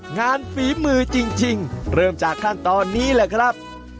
ฝีมือจริงเริ่มจากขั้นตอนนี้แหละครับ